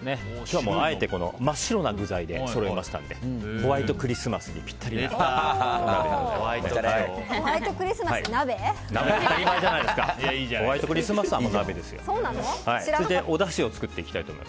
今日は、あえて真っ白な具材で揃えましたのでホワイトクリスマスにピッタリなお鍋でございます。